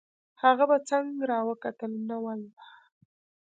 هغه په څنګ را وکتل: نه والله.